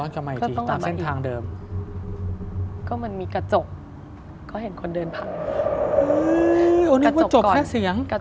ยังไม่จบขออภัย